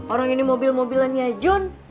orang ini mobil mobilannya john